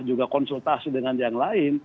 juga konsultasi dengan yang lain